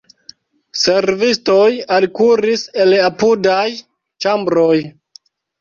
Servistoj alkuris el apudaj ĉambroj.